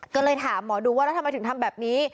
ก็เลยถามหมอดูว่าแล้วทำไมถึงทำแบบนี้